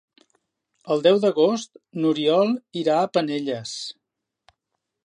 El deu d'agost n'Oriol irà a Penelles.